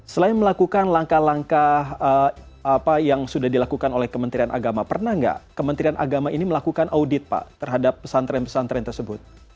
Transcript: selain melakukan langkah langkah apa yang sudah dilakukan oleh kementerian agama pernah nggak kementerian agama ini melakukan audit pak terhadap pesantren pesantren tersebut